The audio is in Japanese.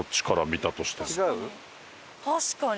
確かに。